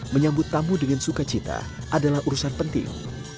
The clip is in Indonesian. menyambut tamu dengan sukacita adalah urusan penting